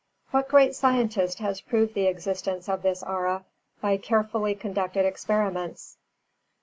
_What great scientist has proved the existence of this aura by carefully conducted experiments?